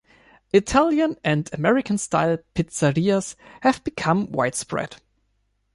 Italian and American style pizzerias have become widespread.